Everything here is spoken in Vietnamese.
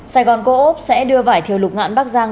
sài gòn co op sẽ đưa vải thiều lục ngạn bắc giang